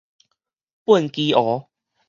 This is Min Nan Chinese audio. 畚箕湖